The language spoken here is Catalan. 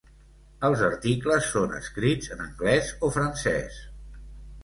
Els articles són escrits en anglès o francès.